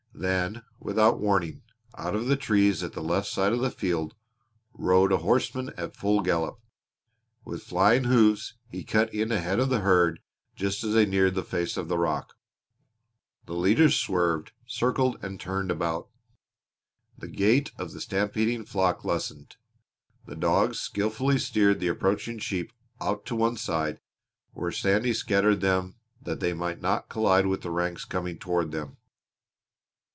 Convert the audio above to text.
Then without warning, out of the trees at the left side of the field rode a horseman at full gallop. With flying hoofs he cut in ahead of the herd just as they neared the face of the rock. The leaders swerved, circled, and turned about. The gait of the stampeding flock lessened. The dogs skilfully steered the approaching sheep out to one side where Sandy scattered them that they might not collide with the ranks coming toward them.